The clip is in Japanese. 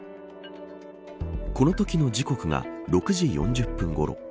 このときの時刻が６時４０分ごろ。